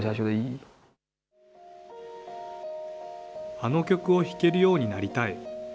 あの曲を弾けるようになりたい。